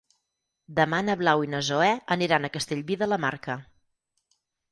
Demà na Blau i na Zoè aniran a Castellví de la Marca.